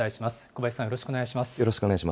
小林さん、よろしくお願いします。